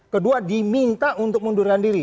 kedua diminta untuk mundurkan diri